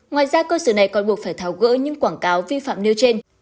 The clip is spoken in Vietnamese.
ngoài ra cơ sở này còn buộc phải tháo gỡ những quảng cáo vi phạm nêu trên